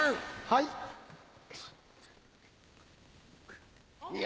はい。